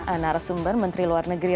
ana rasumber menteri luar negeri